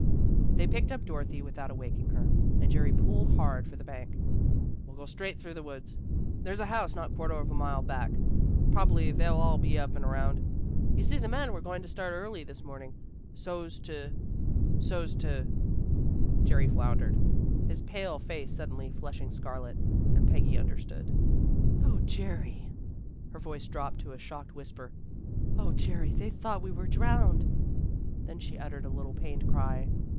They picked up Dorothy without awaking her, and Jerry pulled hard for the bank. "We'll go straight up through the woods. There's a house not quarter of a mile back. Prob'ly they'll all be up and around. You see, the men were going to start early this morning, so's to so's to " Jerry floundered, his pale face suddenly flushing scarlet, and Peggy understood. "Oh, Jerry!" Her voice dropped to a shocked whisper. "Oh, Jerry, they thought we were drowned." Then she uttered a little pained cry.